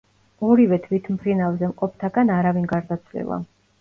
ორივე თვითმფრინავზე მყოფთაგან არავინ გარდაცვლილა.